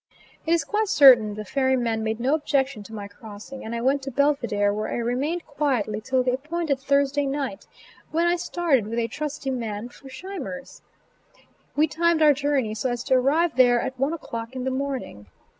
It is quite certain the ferryman made no objection to my crossing, and I went to Belvidere where I remained quietly till the appointed Thursday night, when I started with a trusty man for Scheimer's. We timed our journey so as to arrive there at one o'clock in the morning.